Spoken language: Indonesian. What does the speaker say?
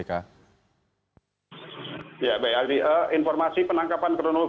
informasi penangkapan kronologi dari kpk terhadap bupati tasdi ini sebenarnya tidak terlalu baik